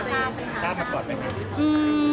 ทราบประกอบเป็นยังไง